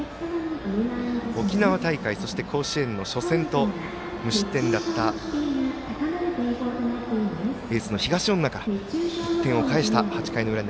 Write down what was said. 沖縄大会、そして甲子園の初戦と無失点だったエースの東恩納から１点を返した８回の裏。